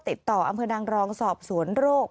ติดต่ออำเภอนางรองสอบสวนโรค